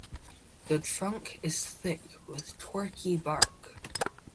The trunk is thick with corky bark.